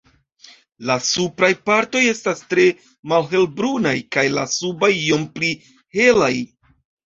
La supraj partoj estas tre malhelbrunaj kaj la subaj iom pli helaj.